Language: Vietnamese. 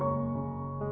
để bà chăm chăm